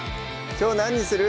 きょう何にする？